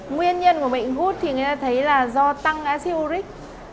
nguyên nhân của bệnh gút thì người ta thấy là do tăng acid uric